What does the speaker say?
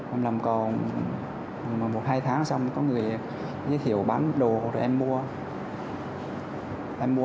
em làm cò một hai tháng xong có người giới thiệu bán đồ rồi em mua